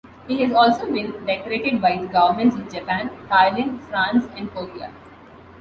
He has also been decorated by the governments of Japan, Thailand, France and Korea.